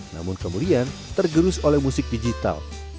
namun kemudian tergerus oleh musik digital